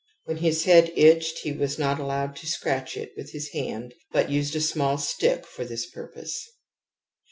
When his head itched he was not allowed to scratch it with his hand but used a small stick for this purpose.